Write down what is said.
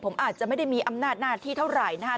ผมอาจจะไม่ได้มีอำนาจหน้าที่เท่าไหร่นะครับ